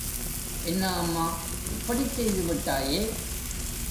என்ன அம்மா, இப்படிச் செய்து விட்டாயே!